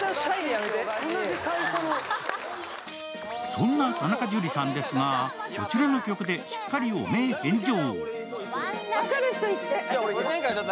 そんな田中樹さんですが、こちらの曲でしっかり汚名返上。